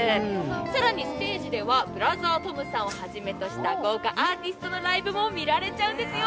更にステージではブラザートムさんをはじめとした豪華アーティストのライブも見られちゃうんですよ。